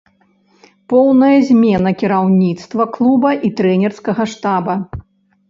Поўная змена кіраўніцтва клуба і трэнерскага штаба.